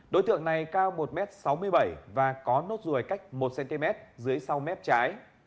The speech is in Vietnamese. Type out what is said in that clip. đối tượng này cao một m sáu mươi bảy và có nốt ruồi cách một cm dưới sau mép trái